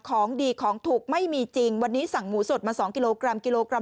ของดีของถูกไม่มีจริงวันนี้สั่งหมูสดมา๒กิโลกรัมกิโลกรัม